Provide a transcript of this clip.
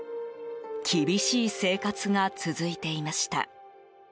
厳しい生活が続いていました。